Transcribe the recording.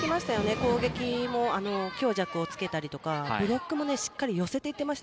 攻撃も強弱をつけたりとかブロックもしっかり寄せていっていました。